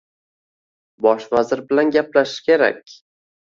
Bosh vazir bilan gaplashish kerak